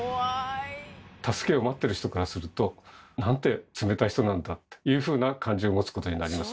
助けを待ってる人からすると「なんて冷たい人なんだ」というふうな感じを持つことになりますね。